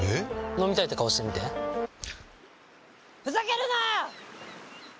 飲みたいって顔してみてふざけるなー！